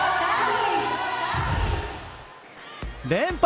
連敗